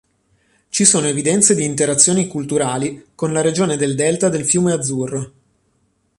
Ci sono evidenze di interazioni culturali con la regione del delta del fiume Azzurro.